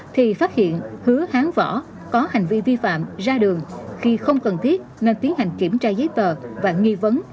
thì phát hiện hứa hán võ có hành vi vi phạm ra đường khi không cần thiết nên tiến hành kiểm tra giấy tờ và nghi vấn